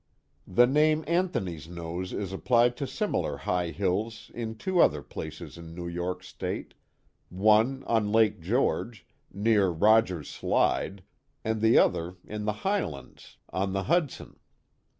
The name Anthony's Nose is applied to similar high hills in two other places in New York State, one on Lake George, near Rogers's Slide," and the other in the highlands on the 382 The Mohawk Valley Hudson.